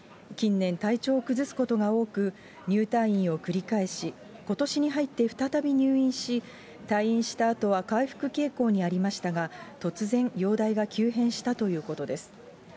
近年、体調を崩すことが多く、入退院を繰り返し、ことしに入って再び入院し、退院したあとは、回復傾向にありましたが、突然容体が急変したということです。